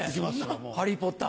ハリー・ポッター。